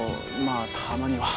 あたまには。